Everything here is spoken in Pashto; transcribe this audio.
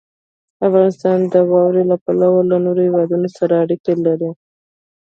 افغانستان د واوره له پلوه له نورو هېوادونو سره اړیکې لري.